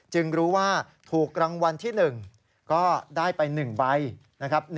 รู้ว่าถูกรางวัลที่๑ก็ได้ไป๑ใบนะครับ